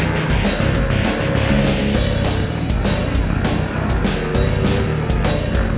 dia sudah selesai menang